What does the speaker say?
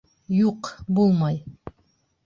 Юҡ, булмай!